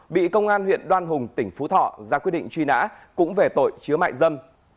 bị công an huyện đoan hùng tỉnh phú thọ ra quyết định truy nã cũng về tội chứa mại dâm